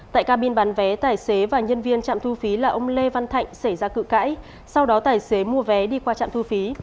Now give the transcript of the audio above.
tại cabin bán vé tài xế và nhân viên trạm thu phí là ông lê văn thạnh xảy ra cự cãi sau đó tài xế mua vé đi qua trạm thu phí